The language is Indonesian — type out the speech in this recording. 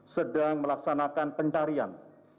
sedang melaksanakan pencarian